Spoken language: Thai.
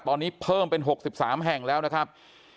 ตอนนี้เพิ่มเป็น๖๓แห่งแล้วนะครับ